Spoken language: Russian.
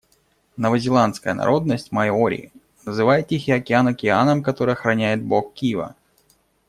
Новозеландская народность маори называет Тихий океан океаном, который охраняет бог Кива.